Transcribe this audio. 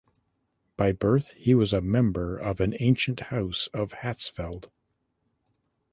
By birth he was member of an ancient House of Hatzfeld.